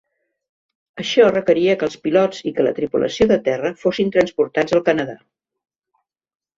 Això requeria que els pilots i que la tripulació de terra fossin transportats al Canadà.